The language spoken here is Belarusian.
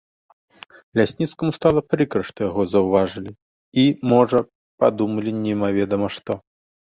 Лясніцкаму стала прыкра, што яго заўважылі і, можа, падумалі немаведама што.